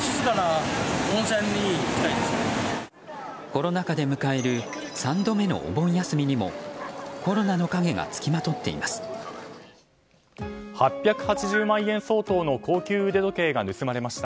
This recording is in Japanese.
コロナ禍で迎える３度目のお盆休みにもコロナの影が付きまとっています。